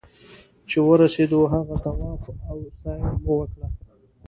چې ورسېدو هغه طواف او سعيې مو وکړې.